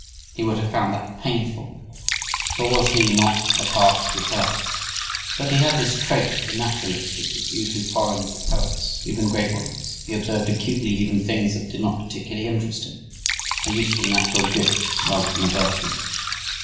He would have found that painful, "for was he not a part with her?" But he had this trait of a naturalist, which is usually foreign to poets, even great ones; he observed acutely even things that did not particularly interest him a useful natural gift rather than a virtue.